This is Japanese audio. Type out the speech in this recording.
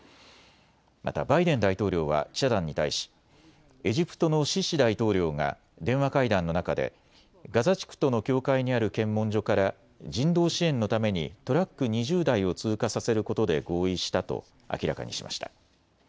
またバイデン大統領は記者団に対し、エジプトのシシ大統領が電話会談の中でガザ地区との境界にある検問所から人道支援のためにトラック２０台を通過させることで合意したと明らかにしました。